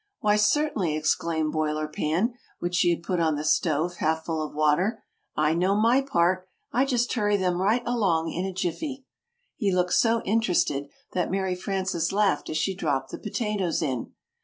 "Why, certainly," exclaimed Boiler Pan, which she had put on the stove half full of water, "I know my part I just hurry them right along in a jiffy." [Illustration: "I just hurry them along"] He looked so interested that Mary Frances laughed as she dropped the potatoes in.